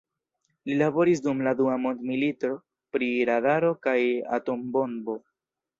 Li laboris dum la dua mondmilito pri radaro kaj atombombo.